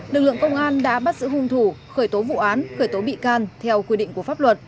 lực lượng công an đã bắt giữ hung thủ khởi tố vụ án khởi tố bị can theo quy định của pháp luật